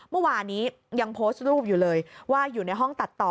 เมื่อวานนี้ยังโพสต์รูปอยู่เลยว่าอยู่ในห้องตัดต่อ